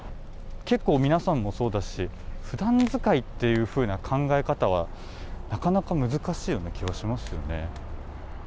結構、皆さんもそうだしふだん使いというような考え方はなかなか難しいような気がします。